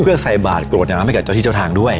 เพื่อใส่บาทโกรธน้ำให้กับเจ้าที่เจ้าทางด้วย